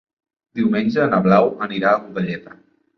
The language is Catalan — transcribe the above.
Diumenge na Blau anirà a Godelleta.